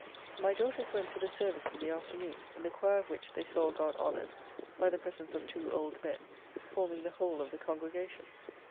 My daughters went to the service in the afternoon, in the choir of which they saw God honoured by the presence of two old men, forming the whole of the congregation.